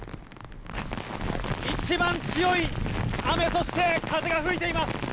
一番強い雨、そして風が吹いています。